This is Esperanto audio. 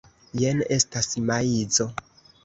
Jen estas maizo.